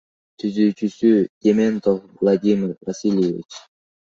Түзүүчүсү — Дементев Владимир Васильевич.